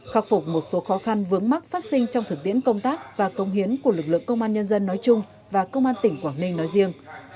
khắc phục một số khó khăn vướng mắc phát sinh trong thực tiễn công tác và công hiến của lực lượng công an nhân dân nói chung và công an tỉnh quảng ninh nói riêng